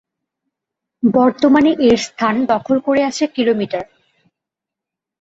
বর্তমানে এর স্থান দখল করে আছে কিলোমিটার।